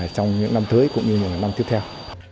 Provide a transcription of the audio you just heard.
trong những năm tới cũng như là năm tiếp theo